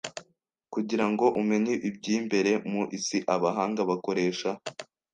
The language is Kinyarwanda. Kugira ngo umenye ibyimbere mu isi abahanga bakoresha